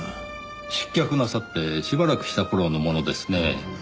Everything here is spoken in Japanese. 失脚なさってしばらくした頃のものですね。